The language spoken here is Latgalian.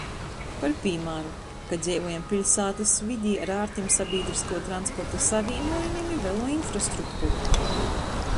Par pīmāru, ka dzeivojam piļsātys vidē ar ārtim sabīdryskuo transporta savīnuojumim i velo infrastrukturu.